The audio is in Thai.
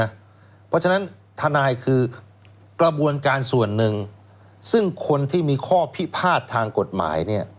เพราะฉะนั้นทนายคือกระบวนการส่วนหนึ่งซึ่งคนที่มีข้อพิพาททางกฎหมายเนี่ย